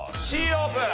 Ｃオープン！